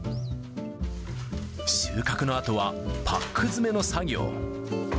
収穫のあとは、パック詰めの作業。